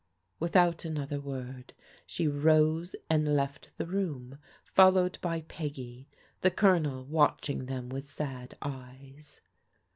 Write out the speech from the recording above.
Without another word she rose and left the room, fol lowed by Peggy, the Colonel watching them with sad eyes.